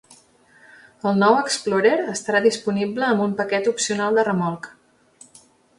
El nou Explorer estarà disponible amb un paquet opcional de remolc.